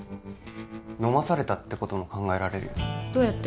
飲まされたってことも考えられるどうやって？